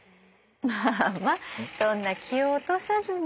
まあまあそんな気を落とさずに。